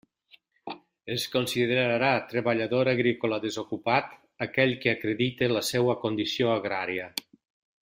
Es considerarà treballador agrícola desocupat aquell que acredite la seua condició agrària.